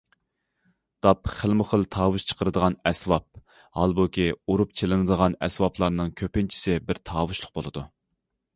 داپ خىلمۇ خىل تاۋۇش چىقىرىدىغان ئەسۋاب، ھالبۇكى ئۇرۇپ چېلىنىدىغان ئەسۋابلارنىڭ كۆپىنچىسى بىر تاۋۇشلۇق بولىدۇ.